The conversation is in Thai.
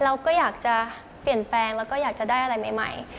เราก็อยากจะเปลี่ยนแปลงแล้วก็อยากจะได้อะไรใหม่